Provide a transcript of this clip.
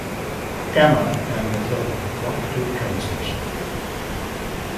Emma and Mathilde walk to the train station.